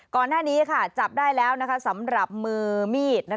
ก่อนหน้านี้จับได้แล้วสำหรับมือมีด